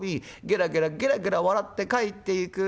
ゲラゲラゲラゲラ笑って帰っていく。